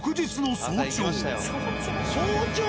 早朝！？